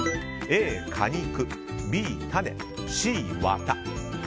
Ａ、果肉Ｂ、種Ｃ、ワタ。